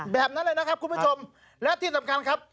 แบบนั้นเลยนะครับคุณผู้ชมและที่สำคัญครับ